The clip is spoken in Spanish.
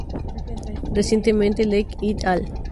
Recientemente, Leigh "et al.